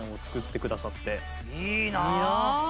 いいなあ！